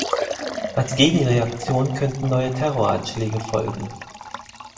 Als Gegenreaktion könnten neue Terroranschläge folgen.